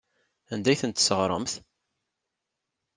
Anda ay tent-tesseɣremt?